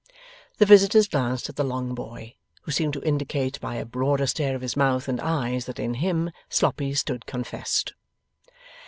The visitors glanced at the long boy, who seemed to indicate by a broader stare of his mouth and eyes that in him Sloppy stood confessed.